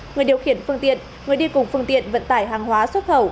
người điều khiển phương tiện người đi cùng phương tiện vận tải hàng hóa xuất khẩu